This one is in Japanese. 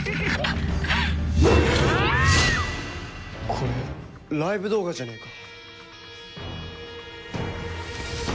これライブ動画じゃねえか！